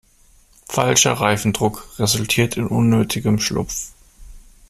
Falscher Reifendruck resultiert in unnötigem Schlupf.